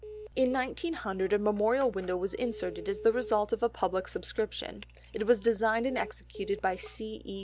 '" In 1900 a memorial window was inserted as the result of a public subscription; it was designed and executed by C. E.